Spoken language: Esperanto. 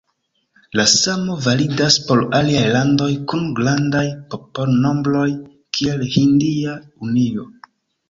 La samo validas por aliaj landoj kun grandaj popolnombroj kiel Hindia Unio.